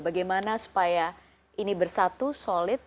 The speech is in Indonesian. bagaimana supaya ini bersatu solid